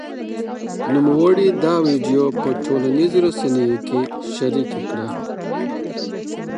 نوموړي دا ویډیو په ټولنیزو رسنیو کې شرېکه کړې